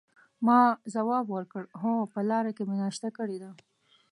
ما ځواب ورکړ: هو، په لاره کې مې ناشته کړې ده.